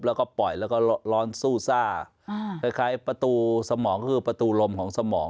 แล้วก็ปล่อยแล้วก็ร้อนซู่ซ่าคล้ายประตูสมองคือประตูลมของสมอง